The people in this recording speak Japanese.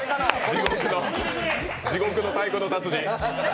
地獄の「太鼓の達人」。